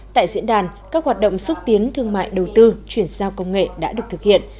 tại diễn đàn các hoạt động xúc tiến thương mại đầu tư chuyển sao công nghệ đã được thực hiện